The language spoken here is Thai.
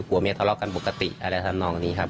เมียทะเลาะกันปกติอะไรทำนองนี้ครับ